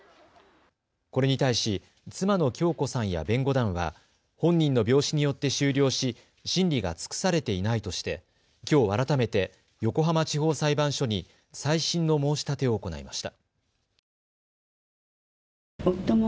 これに対し妻の京子さんや弁護団は本人の病死によって終了し審理が尽くされていないとしてきょう改めて横浜地方裁判所に再審の申し立てを行いました。